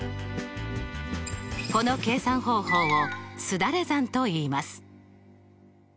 この計算方法をすだれ算といいます。